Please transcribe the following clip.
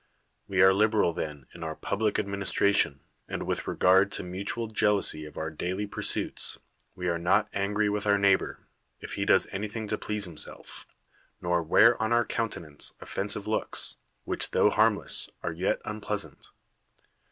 We are liberal then in our public ad ministration ; and with regard to mutual jeal ousy of our daily pursuits, we are not angr}' with our neigh l)or, if he does anything to please himself; nor wear on our countenance offensive looks, which tho harmless, are yet unpleasant.